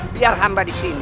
biar hamba disini